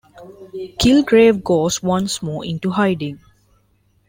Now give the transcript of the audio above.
Killgrave goes once more into hiding.